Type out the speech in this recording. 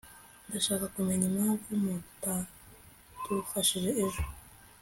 ndashaka kumenya impamvu mutadufashije ejo